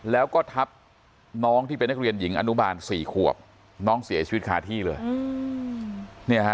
แล้วก็ทับน้องที่เป็นนักเรียนหญิงอนุบาล๔ขวบน้องเสียชีวิตคาที่เลย